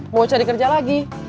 mau cari kerja lagi